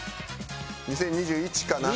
２０２１かな？